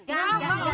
gak mau bangun